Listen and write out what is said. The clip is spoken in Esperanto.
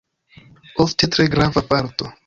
Ofte tre grava parto.